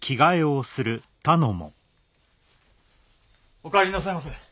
お帰りなさいませ。